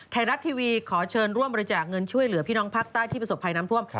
ไทยรัฐทีวีขอเชิญร่วมบริจาคเงินช่วยเหลือพี่น้องภาคใต้ที่ประสบภัยน้ำท่วม